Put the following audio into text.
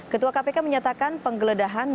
ketua kpk menyatakan penggeledahan